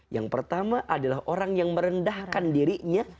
yang pertama adalah orang yang merendahkan dirinya